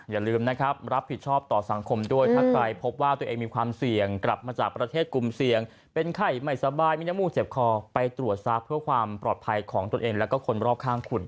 อย่าลืมนะครับรับผิดชอบต่อสังคมด้วยถ้าใครพบว่าตัวเองมีความเสี่ยงกลับมาจากประเทศกลุ่มเสี่ยงเป็นไข้ไม่สบายมีน้ำมูกเจ็บคอไปตรวจซะเพื่อความปลอดภัยของตนเองแล้วก็คนรอบข้างคุณ